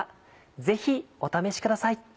ぜひお試しください。